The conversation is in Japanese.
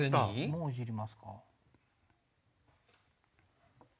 もういじりますか。